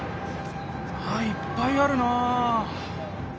いっぱいあるな！